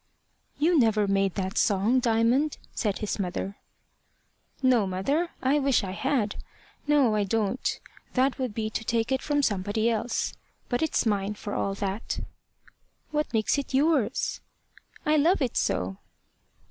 "You never made that song, Diamond," said his mother. "No, mother. I wish I had. No, I don't. That would be to take it from somebody else. But it's mine for all that." "What makes it yours?" "I love it so."